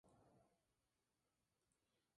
Cada edificio es una opción.